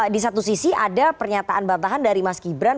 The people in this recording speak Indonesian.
di satu sisi ada pernyataan bantahan dari mas gibran